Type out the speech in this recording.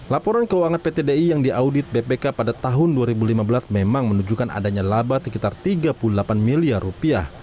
laporan keuangan pt di yang diaudit bpk pada tahun dua ribu lima belas memang menunjukkan adanya laba sekitar tiga puluh delapan miliar rupiah